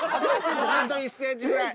あと１ｃｍぐらい。